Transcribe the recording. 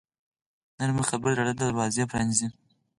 نرمې خبرې د زړه دروازې پرانیزي.